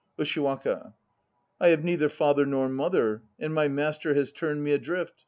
USHIWAKA. I have neither father nor mother, and my master has turned me adrift.